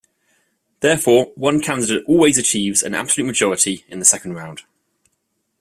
Therefore, one candidate always achieves an absolute majority in the second round.